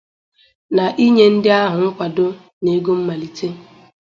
na inye ndị ahụ nkwàdó na ego mmalite.